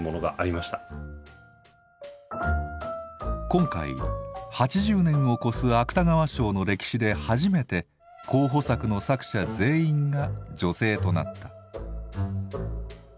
今回８０年を超す芥川賞の歴史で初めて候補作の作者全員が女性となった。